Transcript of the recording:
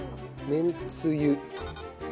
めんつゆ。